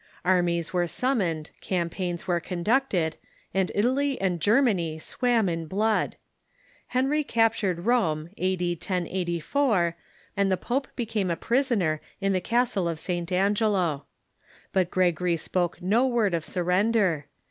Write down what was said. Armies were summoned, campaigns were con ducted, and Italy and Germany swam in blood. Henry capt ured Rome A.D. 1084, and the pope became a prisoner in the castle of St. Angelo. But Gregory spoke no word of surren der.